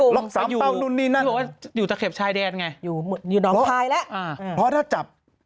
หลอก๓เป้านู้นนี่นั่นอยู่ตะเข็บชายแดนไงอยู่ดอมพลายแล้วเพราะถ้าจับ